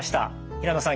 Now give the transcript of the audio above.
平能さん